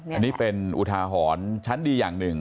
อันนี้เป็นอุทาหรณ์ชั้นดีอย่างหนึ่ง